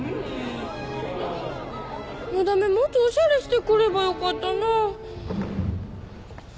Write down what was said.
のだめもっとおしゃれしてくればよかったなぁ。